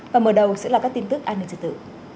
và mở đầu sẽ là các tin tức an ninh trật tự